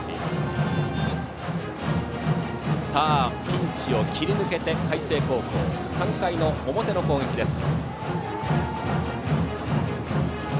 ピンチを切り抜けて海星高校３回表の攻撃です。